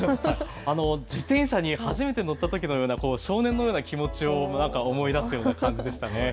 自転車に初めて乗ったときのような少年のような気持ちを思い出すような感じでしたね。